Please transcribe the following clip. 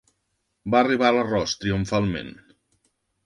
Va arribar l'arròs, triomfalment.